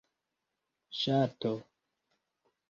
ŝato